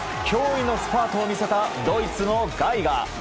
驚異のスパートを見せたドイツのガイガー。